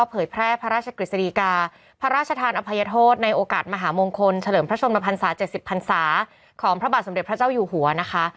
เผยแพร่พระราชกฤษฎีกาพระราชทานอภัยโทษในโอกาสมหามงคลเฉลิมพระชนมพันศา๗๐พันศาของพระบาทสมเด็จพระเจ้าอยู่หัวนะคะ